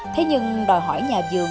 thế nhưng đòi hỏi nhà dường